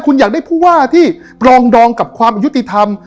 คุณอยากได้ผู้ว่าที่ปรองดองกับความอายุติธรรม